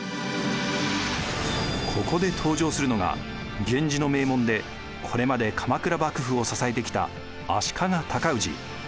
ここで登場するのが源氏の名門でこれまで鎌倉幕府を支えてきた足利高氏。